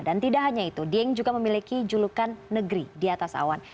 dan tidak hanya itu dieng juga memiliki julukan negeri di atas awan